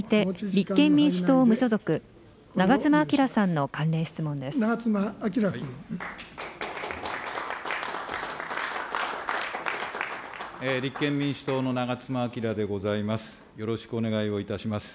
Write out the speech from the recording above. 立憲民主党の長妻昭でございます。